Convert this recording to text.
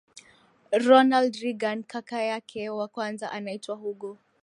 Ronald Reagan Kaka yake wa kwanza anaitwa Hugo